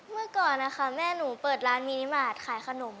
เมื่อก่อนนะคะแม่หนูเปิดร้านมินิมาตรขายขนม